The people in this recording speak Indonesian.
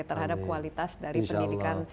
terhadap kualitas dari pendidikan